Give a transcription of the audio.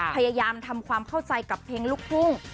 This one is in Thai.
พยายามทำความเข้าใจกับเพลงลูกทุ่ง